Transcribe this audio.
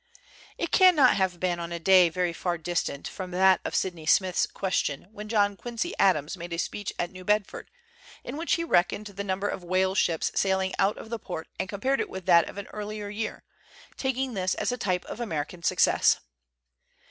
It cannot have been on a day very far distant from that of Sydney Smith's question when John Quincy Adams made a speech at New Bedford, in which he reckoned the number of whale ships sailing out of the port and com pared it with that of an earlier year, taking this as a type of American success.